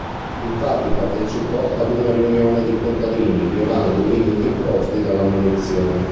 Infatti partecipò ad una riunione di contadini violando i limiti imposti dall'ammonizione.